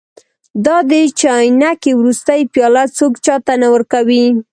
دا د چاینکې وروستۍ پیاله څوک چا ته نه ورکوي.